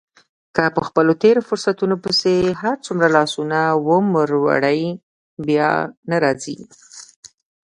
که په خپلو تېرو فرصتونو پسې هرڅومره لاسونه ومروړې بیا نه را ګرځي.